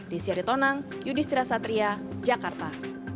di siaritonang yudhistira satria jakarta